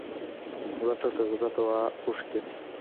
مړه ته د زړه دعا اوښکې دي